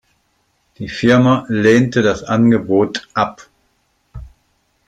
Die Firma lehnte das Angebot ab.